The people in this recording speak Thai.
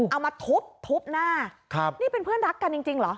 เอามาทุบทุบหน้าครับนี่เป็นเพื่อนรักกันจริงเหรอ